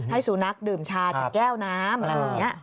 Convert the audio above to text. ให้สุนัขดื่มชาแค่แก้วน้ำอะไรอย่างนี้